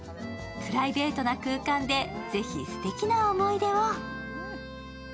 プライベートな空間でぜひすてきな思い出を。